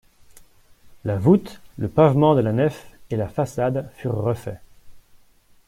La voûte, le pavement de la nef et la façade furent refaits.